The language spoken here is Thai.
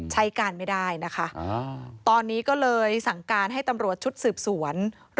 ใช้การไม่ได้นะคะตอนนี้ก็เลยสั่งการให้ตำรวจชุดสืบสวน